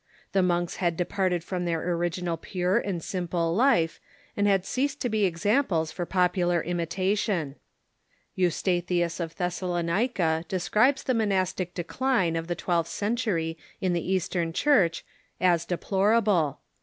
The monks Eastern ] j departed from their original pure and simple Monasticism i . life, and had ceased to be examples for popular im itation. Eustathius of Thessalonica describes the monastic de cline of the twelfth century in the Eastern Church as deplora ble.